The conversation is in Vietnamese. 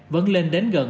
vẫn lên đến gần ba mươi